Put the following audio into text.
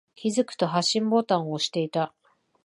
気づくと、発信ボタンを押していた。